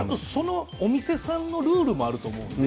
お店さんのルールもあると思う。